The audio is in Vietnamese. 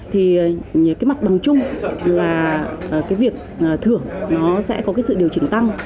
thì cái mặt bằng chung là cái việc thưởng nó sẽ có cái sự điều chỉnh tăng